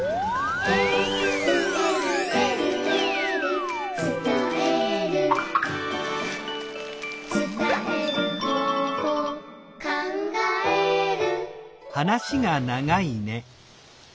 「えるえるえるえる」「つたえる」「つたえる方法」「かんがえる」